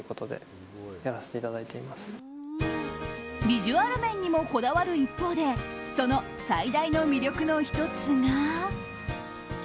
ビジュアル面にもこだわる一方でその最大の魅力の１つが。